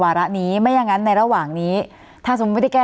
ระนี้ไม่อย่างนั้นในระหว่างนี้ถ้าสมมุติไม่ได้แก้